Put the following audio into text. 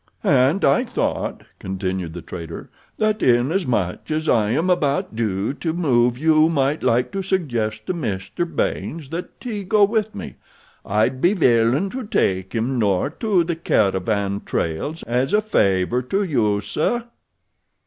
"And I thought," continued the trader, "that inasmuch as I'm about due to move you might like to suggest to Mr. Baynes that he go with me. I'd be willin' to take him north to the caravan trails as a favor to you, sir."